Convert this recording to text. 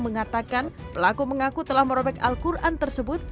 mengatakan pelaku mengaku telah merobek al quran tersebut